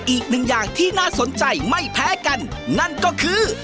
อีกหนึ่งอย่างที่น่าสนใจไม่แพ้กันนั่นก็คือ